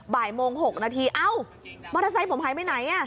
บ่ายโมง๖นาทีเอ้ามอเตอร์ไซค์ผมหายไปไหน